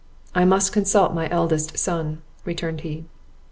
"I must consult my eldest son," returned he.